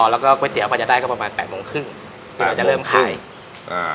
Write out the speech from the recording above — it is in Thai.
แล้วก็ก๋วยเตี๋ยวเขาจะได้ก็ประมาณแปดโมงครึ่งเราจะเริ่มขายอ่า